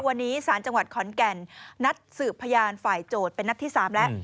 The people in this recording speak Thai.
วันนี้สารจังหวัดขอนแก่นนัดสืบพยานฝ่ายโจทย์เป็นนัดที่๓แล้ว